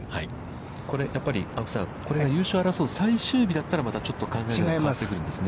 これやっぱり、青木さん、優勝を争う最終日だったらまた、ちょっと考えは変わってくるんですね。